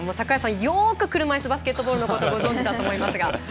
よく車いすバスケットのことご存じだと思いますが。